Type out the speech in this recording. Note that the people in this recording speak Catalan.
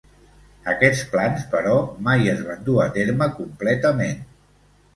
Aquests plans però, mai es van dur a terme completament.